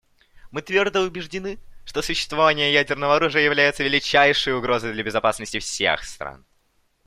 Мы твердо убеждены, что существование ядерного оружия является величайшей угрозой для безопасности всех стран.